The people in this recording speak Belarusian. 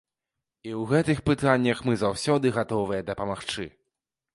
І ў гэтых пытаннях мы заўсёды гатовыя дапамагчы.